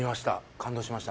感動しました。